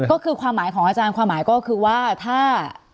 ก็คือความหมายของอาจารย์ความหมายก็คือว่าถ้า